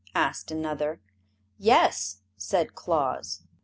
asked another. "Yes," said Claus.